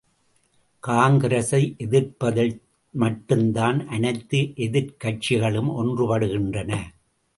காங்கிரசை எதிர்ப்பதில் மட்டும் தான் அனைத்து எதிர்க்கட்சிகளும் ஒன்றுபடுகின்றன!